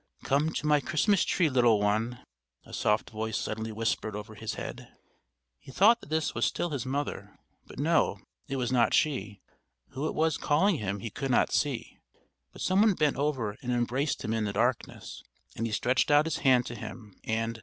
"Come to my Christmas tree, little one," a soft voice suddenly whispered over his head. He thought that this was still his mother, but no, it was not she. Who it was calling him, he could not see, but some one bent over and embraced him in the darkness; and he stretched out his hands to him, and